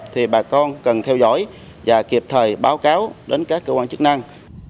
thì bà con cần theo dõi và kịp thời báo cáo đến các cơ quan chức năng